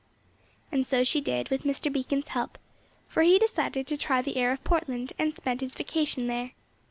And so she did with Mr. Beacon's help, for he decided to try the air of Portland, and spent his vacation there.